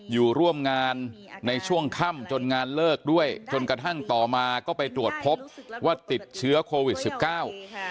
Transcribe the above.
อยู่ร่วมงานในช่วงค่ำจนงานเลิกด้วยจนกระทั่งต่อมาก็ไปตรวจพบว่าติดเชื้อโควิดสิบเก้า